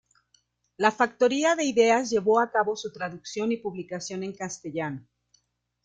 La Factoría de Ideas llevó a cabo su traducción y publicación en castellano.